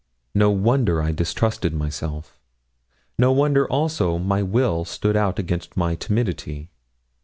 No wonder I distrusted myself; no wonder also my will stood out against my timidity.